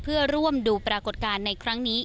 เพื่อร่วมดูปรากฏการณ์ในครั้งนี้